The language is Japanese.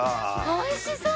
おいしそう！